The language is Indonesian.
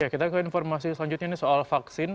kita ke informasi selanjutnya ini soal vaksin